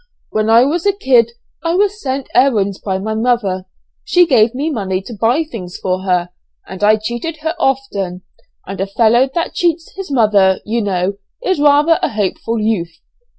"When I was a kid; I was sent errands by my mother, she gave me money to buy things for her, and I cheated her often, and a fellow that cheats his mother, you know, is rather a hopeful youth.